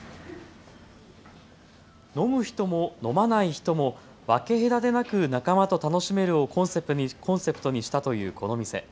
飲む人も飲まない人も分け隔てなく仲間と楽しめるをコンセプトにしたというこの店。